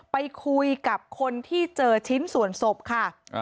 ไปคุยกับคนที่เจอชิ้นส่วนศพค่ะ